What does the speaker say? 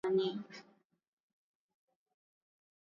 Walivamia kijiji cha Bulongo katika jimbo la Kivu kaskazini .